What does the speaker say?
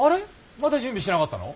まだ準備してなかったの？